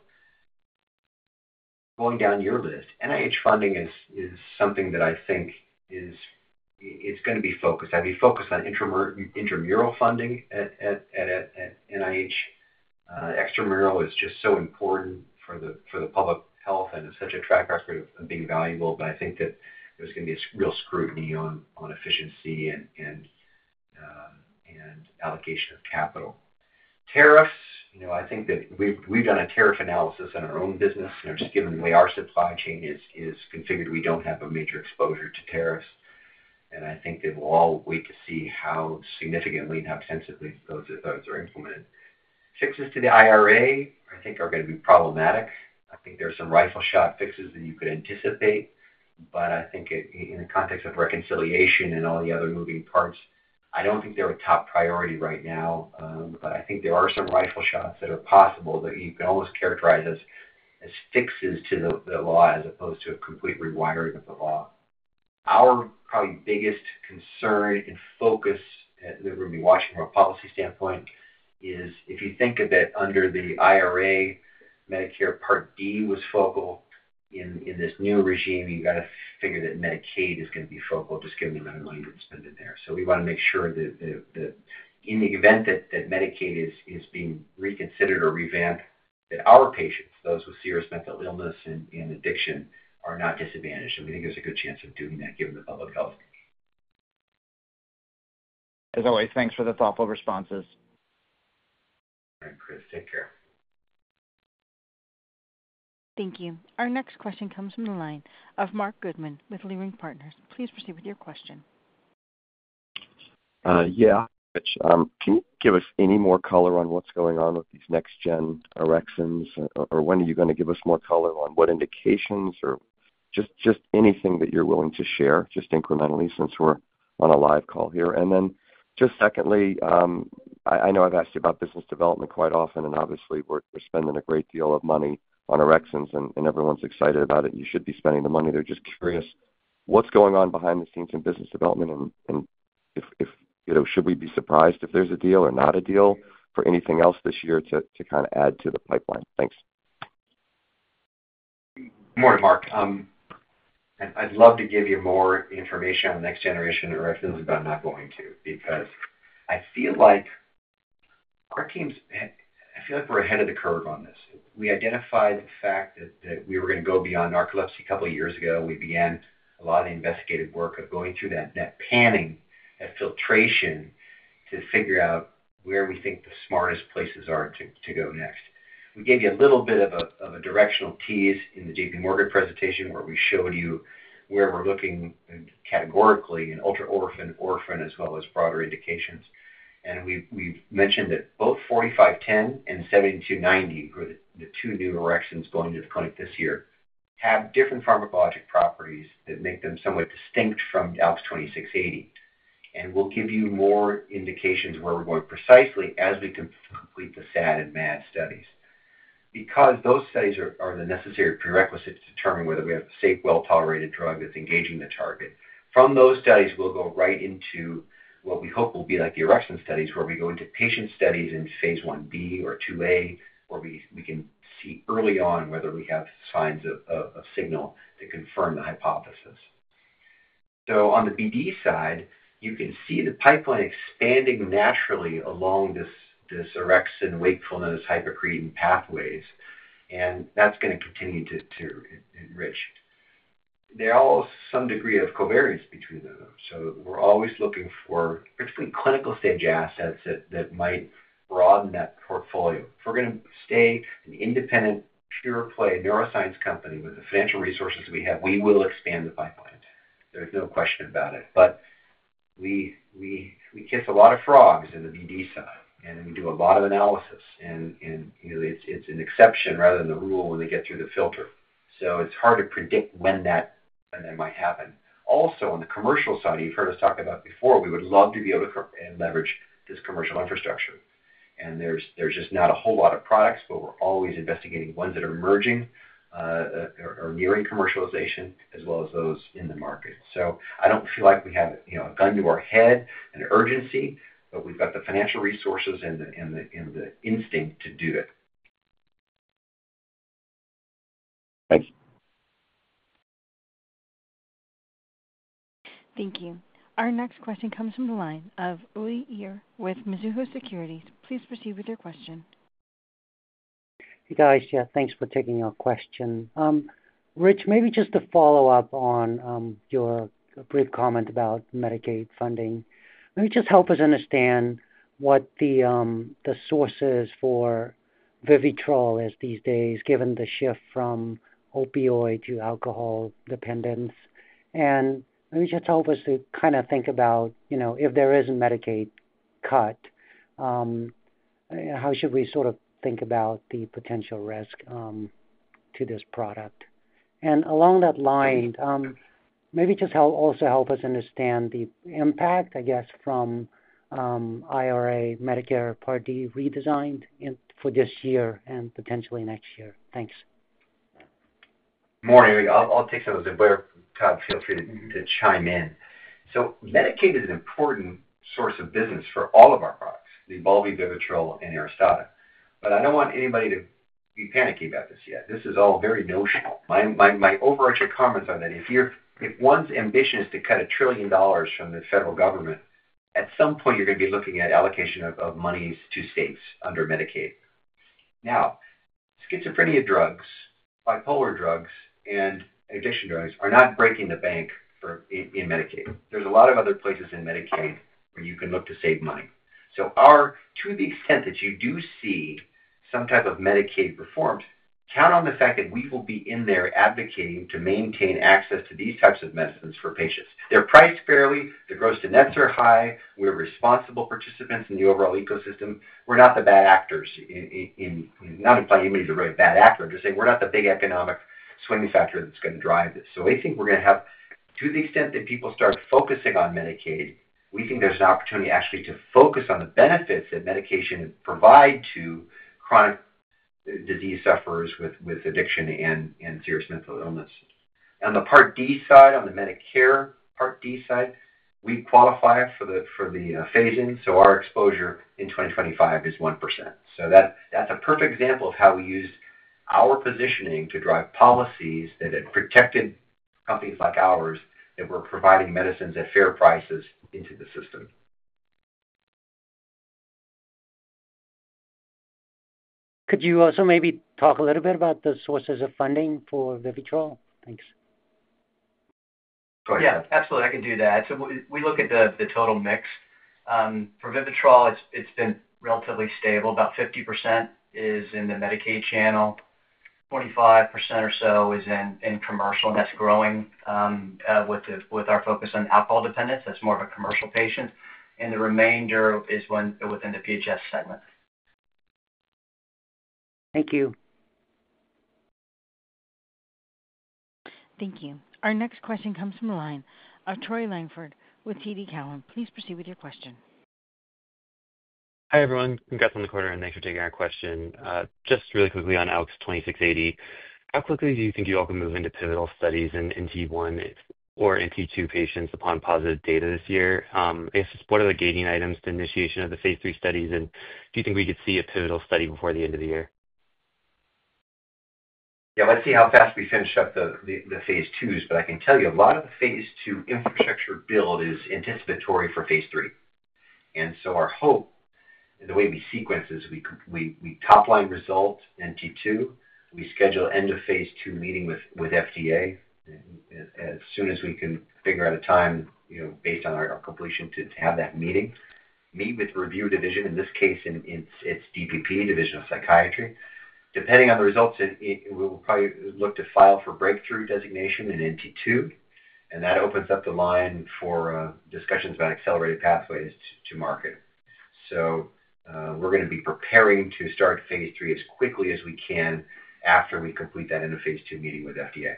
Going down your list, NIH funding is something that I think is going to be focused. I'd be focused on intramural funding at NIH. Extramural is just so important for the public health and has such a track record of being valuable, but I think that there's going to be a real scrutiny on efficiency and allocation of capital. Tariffs, I think that we've done a tariff analysis in our own business, and just given the way our supply chain is configured, we don't have a major exposure to tariffs, and I think that we'll all wait to see how significantly and how extensively those are implemented. Fixes to the IRA, I think, are going to be problematic. I think there are some rifle shot fixes that you could anticipate, but I think in the context of reconciliation and all the other moving parts, I don't think they're a top priority right now. But I think there are some rifle shots that are possible that you can almost characterize as fixes to the law as opposed to a complete rewiring of the law. Our probably biggest concern and focus that we're going to be watching from a policy standpoint is if you think of it under the IRA, Medicare Part D was focal in this new regime. You've got to figure that Medicaid is going to be focal, just given the amount of money that's spent in there. So we want to make sure that in the event that Medicaid is being reconsidered or revamped, that our patients, those with serious mental illness and addiction, are not disadvantaged. We think there's a good chance of doing that given the public health. As always, thanks for the thoughtful responses. All right, Chris. Take care. Thank you. Our next question comes from the line of Marc Goodman with Leerink Partners. Please proceed with your question. Yeah. Rich, can you give us any more color on what's going on with these next-gen orexins, or when are you going to give us more color on what indications or just anything that you're willing to share, just incrementally, since we're on a live call here? And then just secondly, I know I've asked you about business development quite often, and obviously, we're spending a great deal of money on orexins, and everyone's excited about it, and you should be spending the money. They're just curious what's going on behind the scenes in business development, and should we be surprised if there's a deal or not a deal for anything else this year to kind of add to the pipeline? Thanks. Good morning, Mark. I'd love to give you more information on the next generation of orexins, but I'm not going to because I feel like our teams feel like we're ahead of the curve on this. We identified the fact that we were going to go beyond narcolepsy a couple of years ago. We began a lot of the investigative work of going through that panning, that filtration, to figure out where we think the smartest places are to go next. We gave you a little bit of a directional tease in the JPMorgan presentation where we showed you where we're looking categorically in ultraorphan, orphan, as well as broader indications. And we've mentioned that both 4510 and 7290, who are the two new orexins going to the clinic this year, have different pharmacologic properties that make them somewhat distinct from ALK2680. We'll give you more indications where we're going precisely as we complete the SAD and MAD studies because those studies are the necessary prerequisites to determine whether we have a safe, well-tolerated drug that's engaging the target. From those studies, we'll go right into what we hope will be like the orexin studies, where we go into patient studies in Phase Ib or 2a, where we can see early on whether we have signs of signal to confirm the hypothesis. On the BD side, you can see the pipeline expanding naturally along this orexin-wakefulness-hypocretin pathways, and that's going to continue to enrich. There are also some degree of covariance between those. We're always looking for particularly clinical-stage assets that might broaden that portfolio. If we're going to stay an independent, pure-play neuroscience company with the financial resources we have, we will expand the pipeline. There's no question about it. But we kiss a lot of frogs in the BD side, and we do a lot of analysis, and it's an exception rather than the rule when they get through the filter. So it's hard to predict when that might happen. Also, on the commercial side, you've heard us talk about before, we would love to be able to leverage this commercial infrastructure. And there's just not a whole lot of products, but we're always investigating ones that are merging or nearing commercialization, as well as those in the market. So I don't feel like we have a gun to our head and urgency, but we've got the financial resources and the instinct to do it. Thanks. Thank you. Our next question comes from the line of Uy Ear with Mizuho Securities. Please proceed with your question. Hey, guys. Yeah, thanks for taking our question. Rich, maybe just to follow up on your brief comment about Medicaid funding, maybe just help us understand what the sources for Vivitrol is these days, given the shift from opioid to alcohol dependence. And maybe just help us to kind of think about if there is a Medicaid cut, how should we sort of think about the potential risk to this product. And along that line, maybe just also help us understand the impact, I guess, from IRA, Medicare Part D redesigned for this year and potentially next year. Thanks. Good morning. I'll take some of those we, Todd, feel free to chime in. So Medicaid is an important source of business for all of our products, the Lybalvi, Vivitrol, and Aristada. But I don't want anybody to be panicky about this yet. This is all very notional. My overarching comments are that if one's ambitious to cut $1 trillion from the federal government, at some point, you're going to be looking at allocation of monies to states under Medicaid. Now, schizophrenia drugs, bipolar drugs, and addiction drugs are not breaking the bank in Medicaid. There's a lot of other places in Medicaid where you can look to save money. So to the extent that you do see some type of Medicaid reform, count on the fact that we will be in there advocating to maintain access to these types of medicines for patients. They're priced fairly. The gross-to-nets are high. We're responsible participants in the overall ecosystem. We're not the bad actors. Not implying anybody's a bad actor. I'm just saying we're not the big economic swing factor that's going to drive this. So I think we're going to have, to the extent that people start focusing on Medicaid, we think there's an opportunity actually to focus on the benefits that medication provides to chronic disease sufferers with addiction and serious mental illness. On the Part D side, on the Medicare Part D side, we qualify for the phasing, so our exposure in 2025 is 1%. So that's a perfect example of how we used our positioning to drive policies that had protected companies like ours that were providing medicines at fair prices into the system. Could you also maybe talk a little bit about the sources of funding for Vivitrol? Thanks. Yeah, absolutely. I can do that. So we look at the total mix. For Vivitrol, it's been relatively stable. About 50% is in the Medicaid channel. 25% or so is in commercial, and that's growing with our focus on alcohol dependence. That's more of a commercial patient. And the remainder is within the PHS segment. Thank you. Thank you. Our next question comes from the line of Troy Langford with TD Cowen. Please proceed with your question. Hi everyone. I'm Gethin on call for Troy, and thanks for taking our question. Just really quickly on ALK2680, how quickly do you think you all can move into pivotal studies in T1 or in T2 patients upon positive data this year? I guess just what are the gating items to initiation of the Phase III studies, and do you think we could see a pivotal study before the end of the year? Yeah, let's see how fast we finish up the Phase IIs, but I can tell you a lot of the Phase II infrastructure build is anticipatory for Phase III, and so our hope and the way we sequence is we topline results in Q2, we schedule end of Phase II meeting with FDA as soon as we can figure out a time based on our completion to have that meeting, meet with the review division, in this case, it's DPP, Division of Psychiatry. Depending on the results, we will probably look to file for breakthrough designation in NT2, and that opens up the line for discussions about accelerated pathways to market, so we're going to be preparing to start Phase III as quickly as we can after we complete that end of Phase II meeting with FDA.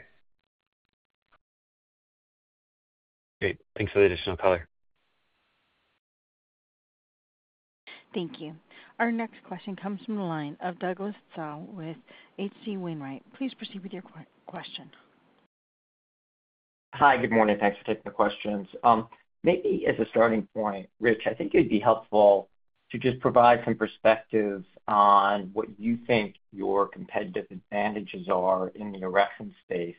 Great. Thanks for the additional color. Thank you. Our next question comes from the line of Douglas Tsao with H.C. Wainwright. Please proceed with your question. Hi, good morning. Thanks for taking the questions. Maybe as a starting point, Rich, I think it'd be helpful to just provide some perspectives on what you think your competitive advantages are in the orexin space.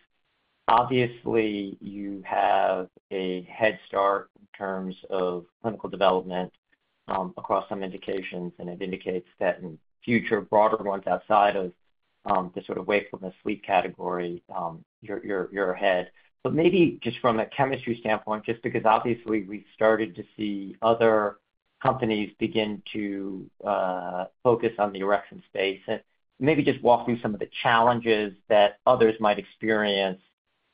Obviously, you have a head start in terms of clinical development across some indications, and it indicates that in future, broader ones outside of the sort of wakefulness sleep category, you're ahead. But maybe just from a chemistry standpoint, just because obviously we've started to see other companies begin to focus on the orexin space, maybe just walk through some of the challenges that others might experience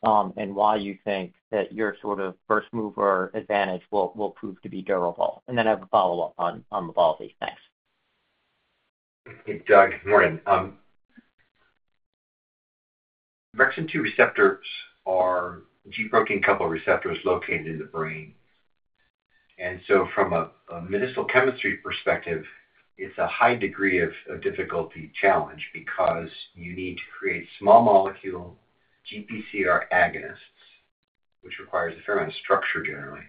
and why you think that your sort of first mover advantage will prove to be durable, and then I have a follow-up on Vumerity. Thanks. Hey, Doug. Good morning. OX2R receptors are G protein-coupled receptors located in the brain, and so from a medicinal chemistry perspective, it's a high degree of difficulty challenge because you need to create small molecule GPCR agonists, which requires a fair amount of structure generally.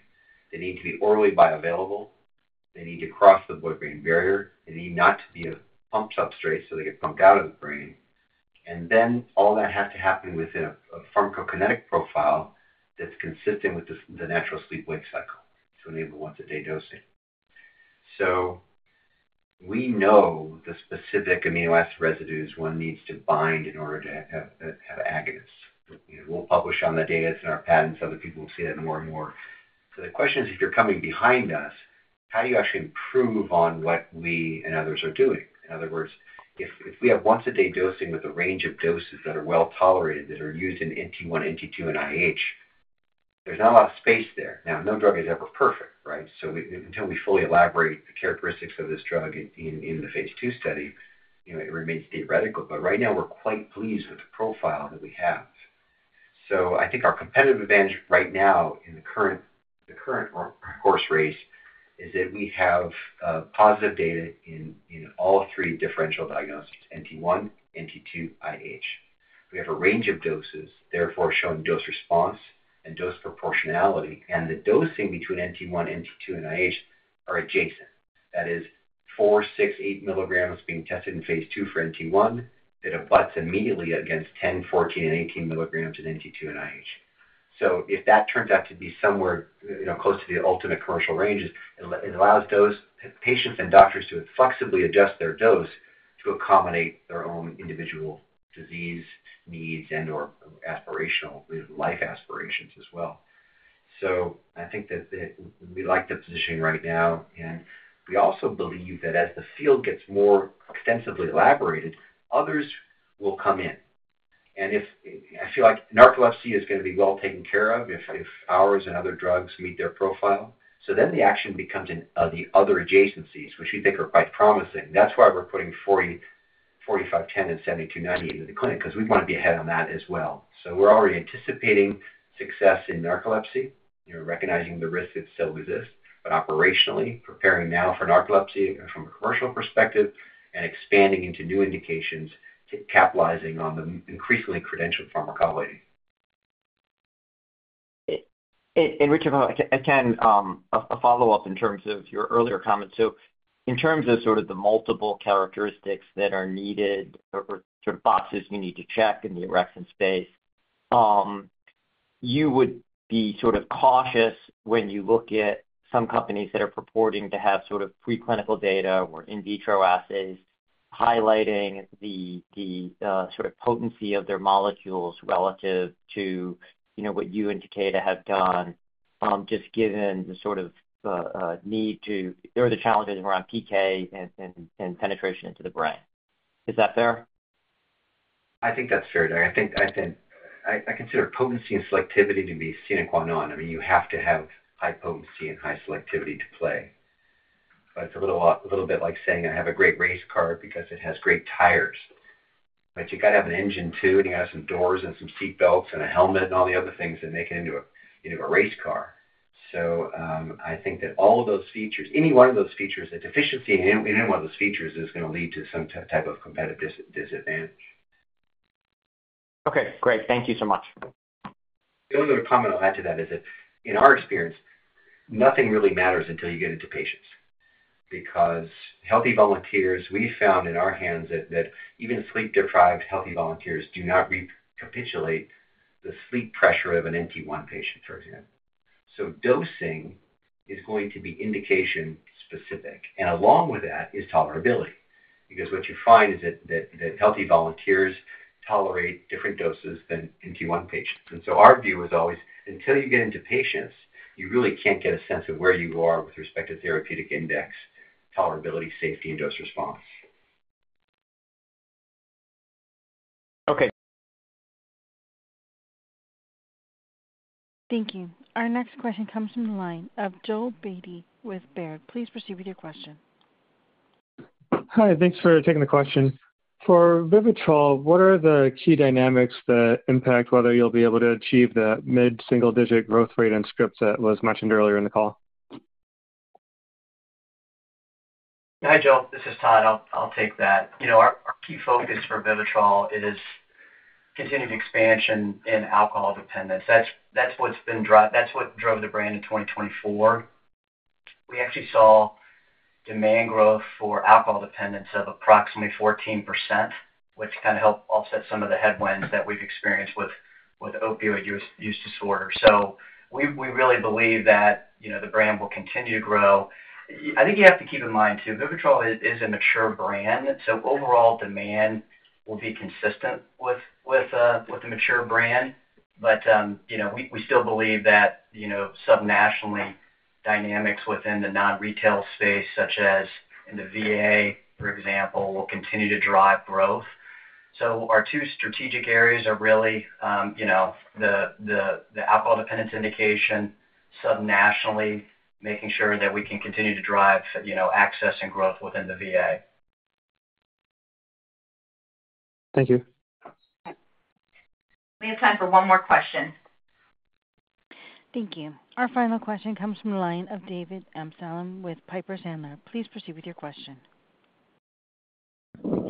They need to be orally bioavailable. They need to cross the blood-brain barrier. They need not to be a pump substrate so they get pumped out of the brain, and then all that has to happen within a pharmacokinetic profile that's consistent with the natural sleep-wake cycle to enable once-a-day dosing, so we know the specific amino acid residues one needs to bind in order to have agonists. We'll publish on the data that's in our patents. Other people will see that more and more. So the question is, if you're coming behind us, how do you actually improve on what we and others are doing? In other words, if we have once-a-day dosing with a range of doses that are well tolerated, that are used in NT1, NT2, and IH, there's not a lot of space there. Now, no drug is ever perfect, right? So until we fully elaborate the characteristics of this drug in the Phase II study, it remains theoretical. But right now, we're quite pleased with the profile that we have. So I think our competitive advantage right now in the current horse race is that we have positive data in all three differential diagnoses: NT1, NT2, IH. We have a range of doses, therefore showing dose response and dose proportionality, and the dosing between NT1, NT2, and IH are adjacent. That is four, six, eight milligrams being tested in Phase II for NT1 that abuts immediately against 10, 14, and 18 milligrams in NT2 and IH. So if that turns out to be somewhere close to the ultimate commercial ranges, it allows patients and doctors to flexibly adjust their dose to accommodate their own individual disease needs and/or life aspirations as well. So I think that we like the positioning right now, and we also believe that as the field gets more extensively elaborated, others will come in. And I feel like narcolepsy is going to be well taken care of if ours and other drugs meet their profile. So then the action becomes in the other adjacencies, which we think are quite promising. That's why we're putting 4510 and 7290 into the clinic because we want to be ahead on that as well. We're already anticipating success in narcolepsy, recognizing the risks that still exist, but operationally, preparing now for narcolepsy from a commercial perspective and expanding into new indications to capitalizing on the increasingly credentialed pharmacology. Rich, if I can, a follow-up in terms of your earlier comments. So in terms of sort of the multiple characteristics that are needed or sort of boxes you need to check in the orexin space, you would be sort of cautious when you look at some companies that are purporting to have sort of preclinical data or in vitro assays highlighting the sort of potency of their molecules relative to what you and Takeda have done, just given the sort of need to or the challenges around PK and penetration into the brain. Is that fair? I think that's fair, Doug. I consider potency and selectivity to be sine qua non. I mean, you have to have high potency and high selectivity to play. But it's a little bit like saying I have a great race car because it has great tires. But you've got to have an engine too, and you've got to have some doors and some seat belts and a helmet and all the other things that make it into a race car. So I think that all of those features, any one of those features, the deficiency in any one of those features is going to lead to some type of competitive disadvantage. Okay. Great. Thank you so much. The other comment I'll add to that is that in our experience, nothing really matters until you get into patients because healthy volunteers, we found in our hands that even sleep-deprived healthy volunteers do not recapitulate the sleep pressure of an NT1 patient, for example. So dosing is going to be indication-specific. And along with that is tolerability because what you find is that healthy volunteers tolerate different doses than NT1 patients. And so our view is always until you get into patients, you really can't get a sense of where you are with respect to therapeutic index, tolerability, safety, and dose response. Okay. Thank you. Our next question comes from the line of Joel Beatty with Baird. Please proceed with your question. Hi. Thanks for taking the question. For Vivitrol, what are the key dynamics that impact whether you'll be able to achieve the mid-single-digit growth rate on scripts that was mentioned earlier in the call? Hi, Joel. This is Todd. I'll take that. Our key focus for Vivitrol is continued expansion in alcohol dependence. That's what drove the brand in 2024. We actually saw demand growth for alcohol dependence of approximately 14%, which kind of helped offset some of the headwinds that we've experienced with opioid use disorder. So we really believe that the brand will continue to grow. I think you have to keep in mind too, Vivitrol is a mature brand. So overall demand will be consistent with the mature brand. But we still believe that subnational dynamics within the non-retail space, such as in the VA, for example, will continue to drive growth. So our two strategic areas are really the alcohol dependence indication, subnationally making sure that we can continue to drive access and growth within the VA. Thank you. We have time for one more question. Thank you. Our final question comes from the line of David Amsalem with Piper Sandler. Please proceed with your question.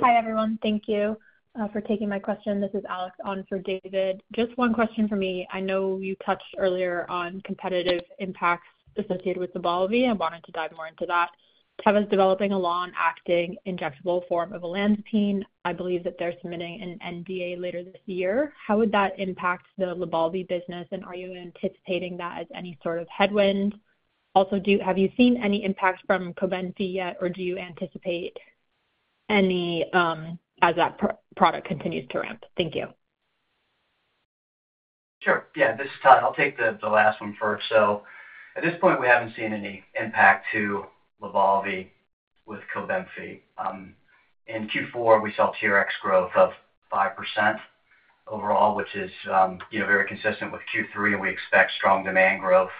Hi, everyone. Thank you for taking my question. This is Alex on for David. Just one question for me. I know you touched earlier on competitive impacts associated with Lybalvi. I wanted to dive more into that. Teva's developing a long-acting injectable form of olanzapine. I believe that they're submitting an NDA later this year. How would that impact the Lybalvi business, and are you anticipating that as any sort of headwind? Also, have you seen any impact from Cobenfy yet, or do you anticipate any as that product continues to ramp? Thank you. Sure. Yeah, this is Todd. I'll take the last one first. So at this point, we haven't seen any impact to Lybalvi with Cobenfy. In Q4, we saw TRx growth of 5% overall, which is very consistent with Q3, and we expect strong demand growth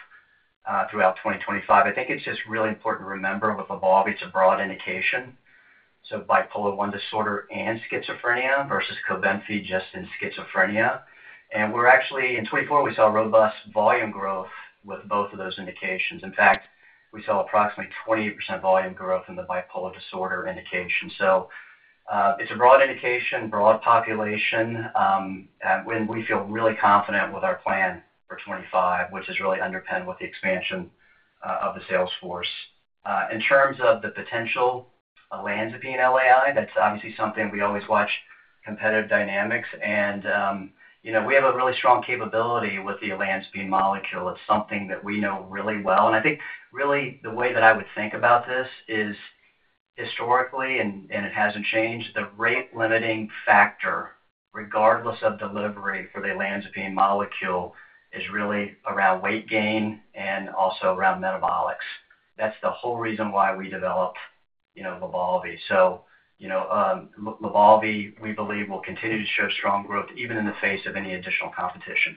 throughout 2025. I think it's just really important to remember with Lybalvi, it's a broad indication. So bipolar I disorder and schizophrenia versus Cobenfy just in schizophrenia. And in 2024, we saw robust volume growth with both of those indications. In fact, we saw approximately 28% volume growth in the bipolar disorder indication. So it's a broad indication, broad population, and we feel really confident with our plan for 2025, which is really underpinned with the expansion of the sales force. In terms of the potential olanzapine LAI, that's obviously something we always watch competitive dynamics. We have a really strong capability with the olanzapine molecule. It's something that we know really well. I think really the way that I would think about this is historically, and it hasn't changed, the rate-limiting factor regardless of delivery for the olanzapine molecule is really around weight gain and also around metabolics. That's the whole reason why we developed Lybalvi. Lybalvi, we believe, will continue to show strong growth even in the face of any additional competition.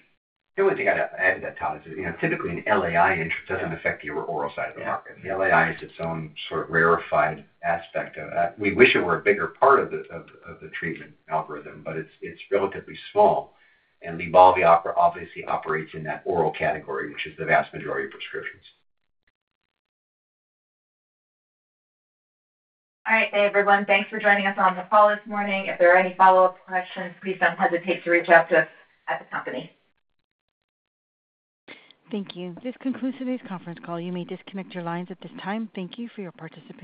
The only thing I'd add to that, Todd, is typically an LAI doesn't affect the oral side of the market. The LAI is its own sort of rarefied aspect of that. We wish it were a bigger part of the treatment algorithm, but it's relatively small. The Lybalvi obviously operates in that oral category, which is the vast majority of prescriptions. All right. Thanks, everyone. Thanks for joining us on the call this morning. If there are any follow-up questions, please don't hesitate to reach out to us at the company. Thank you. This concludes today's conference call. You may disconnect your lines at this time. Thank you for your participation.